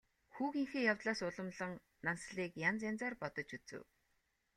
Хүүгийнхээ явдлаас уламлан Нансалыг янз янзаар бодож үзэв.